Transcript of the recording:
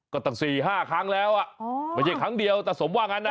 ก็ตั้ง๔๕ครั้งแล้วอ่ะไม่ใช่ครั้งเดียวตาสมว่างั้นนะ